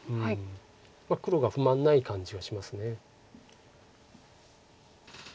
黒が不満ない感じはします。